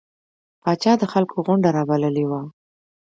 پاچا د خلکو غونده رابللې وه.